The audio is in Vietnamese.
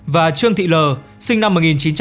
và trương thị l sinh năm một nghìn chín trăm tám mươi